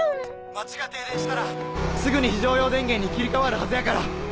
町が停電したらすぐに非常用電源に切り替わるはずやから。